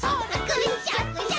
「くっしゃくしゃ」